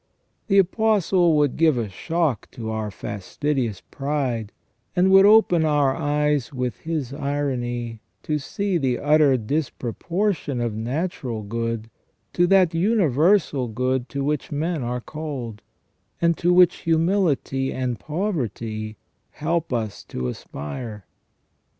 The Apostle would give a shock to our fastidious pride, and would open our eyes with his irony to see the utter disproportion of natural good to that universal good to which men are called, and to which humility and poverty help us to aspire.